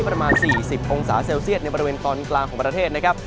ประมาณ๔๐องศาเซลเซียตในบริเวณตอนกลางของประเทศนะครับ